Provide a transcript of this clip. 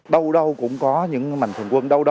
đâu đâu cũng có những mạnh thường quân